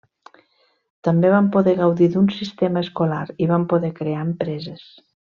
També van poder gaudir d'un sistema escolar i van poder crear empreses.